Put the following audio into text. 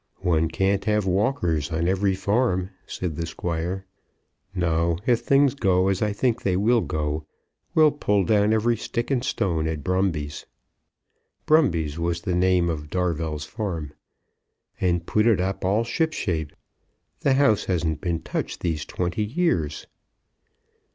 "One can't have Walkers on every farm," said the Squire. "No; if things go, as I think they will go, we'll pull down every stick and stone at Brumby's," Brumby's was the name of Darvell's farm, "and put it up all ship shape. The house hasn't been touched these twenty years."